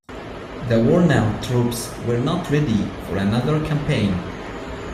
The worn-out troops were not ready for another campaign.